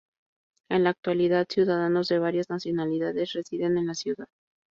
En la actualidad ciudadanos de varias nacionalidades residen en la ciudad.